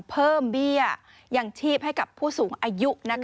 เบี้ยยังชีพให้กับผู้สูงอายุ